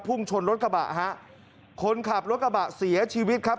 ชนรถกระบะฮะคนขับรถกระบะเสียชีวิตครับ